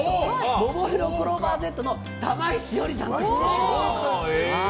ももいろクローバーＺの玉井詩織さんも出演されます。